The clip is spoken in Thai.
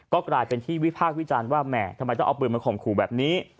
ก็กลายเป็นที่วิพากษ์วิจารณ์ว่าแหมทำไมต้องเอาปืนมาข่มขู่แบบนี้